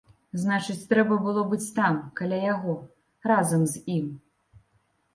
Значыць, трэба было быць там, каля яго, разам з ім.